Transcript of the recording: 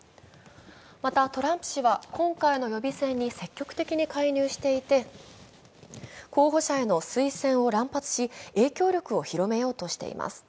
またトランプ氏は今回の予備選に積極的に介入していて候補者への推薦を乱発し、影響力を広めようとしています。